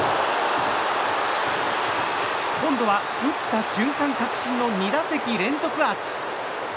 今度は、打った瞬間確信の２打席連続アーチ。